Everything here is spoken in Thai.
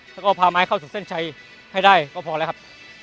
แล้วก็พาไม้เข้าสู่เส้นชัยให้ได้ก็พอแล้วครับ